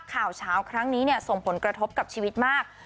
ข่าวเช้าครั้งนี้ส่งผลกระทบกับชีวิตมาก